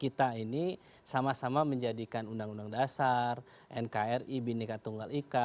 kita ini sama sama menjadikan undang undang dasar nkri bhinneka tunggal ika